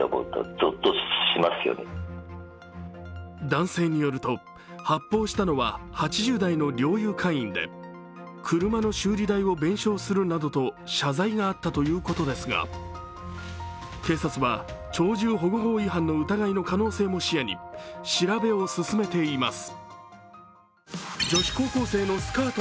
男性によると、発砲したのは８０代の猟友会員で車の修理代を弁償するなどと謝罪があったということですが警察は鳥獣保護法違反の疑いの可能性も視野に調べを進めています。